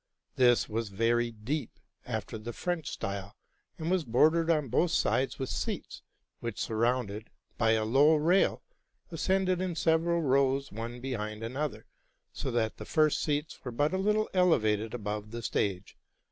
This was very deep, after the French style, and was bordered on both sides with seats, which, surrounded by a low rail, ascended in several rows one behind another. so that the first seats were but a little elevated above the stage.